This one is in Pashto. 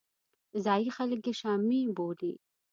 ځایي خلک یې شامي بولي.